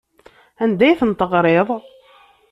Anda ay tent-teɣriḍ?